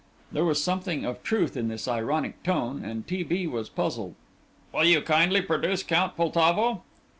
There was something of truth in his ironic tone, and T. B. was puzzled. "Will you kindly produce Count Poltavo?"